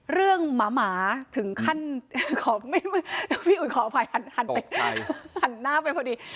เรื่องหมาถึงขั้นขออภัยหันหน้าไปพอดี